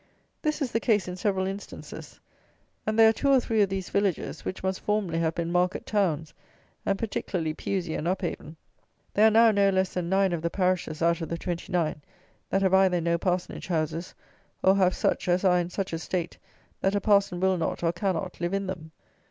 This is the case in several instances; and there are two or three of these villages which must formerly have been market towns, and particularly Pewsy and Upavon. There are now no less than nine of the parishes out of the twenty nine, that have either no parsonage houses, or have such as are in such a state that a Parson will not, or cannot, live in them.